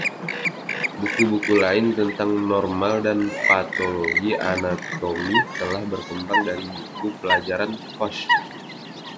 Buku-buku lain tentang normal dan patologi anatomi telah berkembang dari buku pelajaran Fuchs.